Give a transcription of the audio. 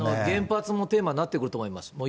原発もテーマになってくると思います。